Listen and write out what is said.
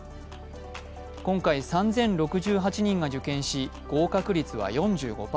今回３０６８人が受験し、合格率は４５％。